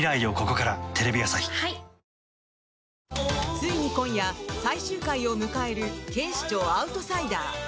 ついに今夜、最終回を迎える「警視庁アウトサイダー」。